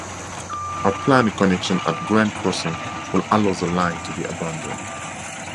A planned connection at Grand Crossing would allow the line to be abandoned.